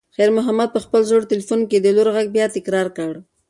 خیر محمد په خپل زوړ تلیفون کې د لور غږ بیا تکرار کړ.